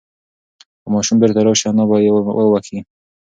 که ماشوم بیرته راشي انا به یې وبښي.